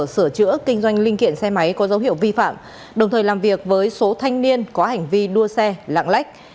sửa chữa kinh doanh linh kiện xe máy có dấu hiệu vi phạm đồng thời làm việc với số thanh niên có hành vi đua xe lạng lách